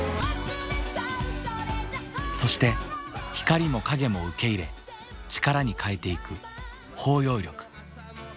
そして光も影も受け入れ力に変えていく包容力。